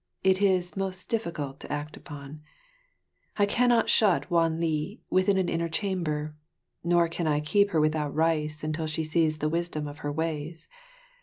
It is most difficult to act upon. I cannot shut Wan li within an inner chamber, nor can I keep her without rice until she sees the wisdom of her ways.